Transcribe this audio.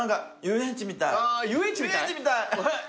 遊園地みたい。